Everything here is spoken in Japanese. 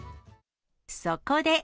そこで。